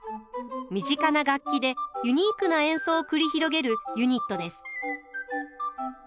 身近な楽器でユニークな演奏を繰り広げるユニットです。